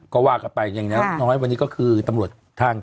ก็ว่ากันไปอย่างน้อยวันนี้ก็คือตำรวจทาง